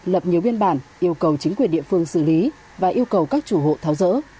lập nhiều biên bản yêu cầu chính quyền địa phương xử lý và yêu cầu các chủ hộ tháo rỡ